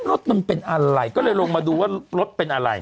รถมันเป็นอะไรก็เลยลงมาดูว่ารถเป็นอะไร